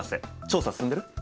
調査進んでる？